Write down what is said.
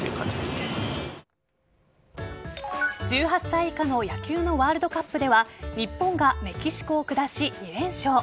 １８歳以下の野球のワールドカップでは日本がメキシコを下し２連勝。